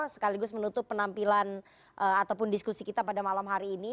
sekaligus menutup penampilan ataupun diskusi kita pada malam hari ini